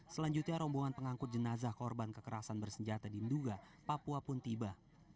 selanjutnya rombongan pengangkut jenazah korban kekerasan bersenjata di nduga papua pun tiba